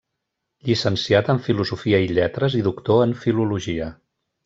Llicenciat en Filosofia i Lletres i doctor en Filologia.